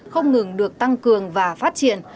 không ngừng được tăng cường và phát triển